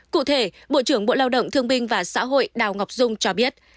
cụ thể bộ trưởng bộ lao động thương binh và xã hội đào ngọc dung cho biết